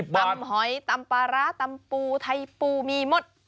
๑๐บาทตำหอยตำปลาร้าตำปูไถ่ปูมีหมด